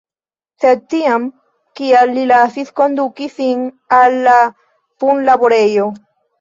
Sed tiam, kial li lasis konduki sin al la punlaborejo?